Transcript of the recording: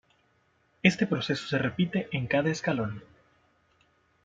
Este proceso se repite en cada escalón.